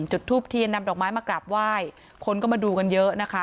จุดทูบเทียนนำดอกไม้มากราบไหว้คนก็มาดูกันเยอะนะคะ